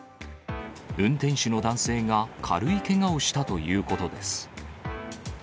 運転手の男性が軽いけがをしたということです。